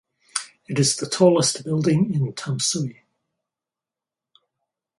It is the tallest building in Tamsui.